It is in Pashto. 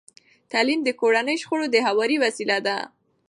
تعلیم د کورني شخړو د هواري وسیله ده.